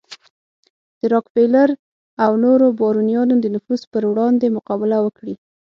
د راکفیلر او نورو بارونیانو د نفوذ پر وړاندې مقابله وکړي.